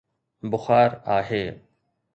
بخار آهي